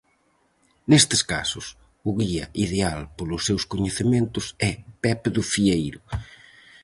Nestes casos, o guía ideal polos seus coñecementos é Pepe do Fieiro.